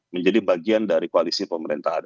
menjadi bagian dari koalisi pemerintahan